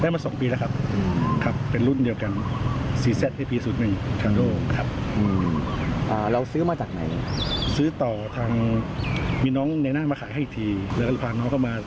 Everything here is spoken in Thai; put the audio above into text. ก็เป็นคนที่บ้านใช่หมะตำรวจคนที่บ้าน